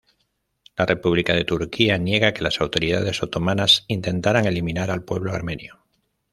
La República de Turquía niega que las autoridades otomanas intentaran eliminar al pueblo armenio.